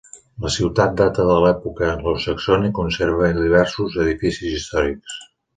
La ciutat data de l'època anglosaxona i conserva diversos edificis històrics.